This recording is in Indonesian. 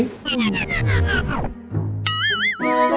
enggak enggak enggak enggak